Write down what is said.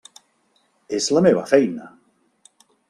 És la meva feina.